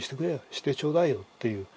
「してちょうだいよ」っていう。